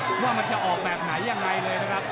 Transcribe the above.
ว่ามันจะออกแบบไหนยังไงเลยนะครับ